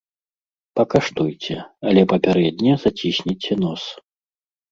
Пакаштуйце, але папярэдне зацісніце нос.